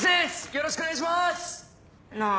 よろしくお願いします！なぁ